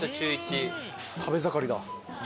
食べ盛りだ。